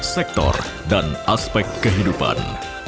sektor dan aspek kehidupan